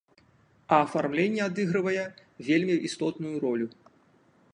А афармленне адыгрывае вельмі істотную ролю!